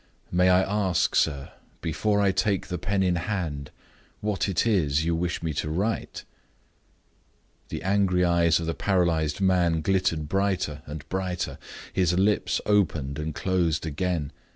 "May I ask, sir, before I take the pen in hand, what it is you wish me to write?" The angry eyes of the paralyzed man glittered brighter and brighter. His lips opened and closed again.